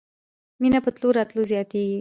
مېنه په تلو راتلو زياتېږي.